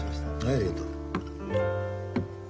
ありがとう。